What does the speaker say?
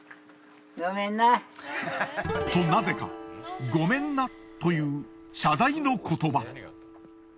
となぜかごめんなという謝罪の言葉。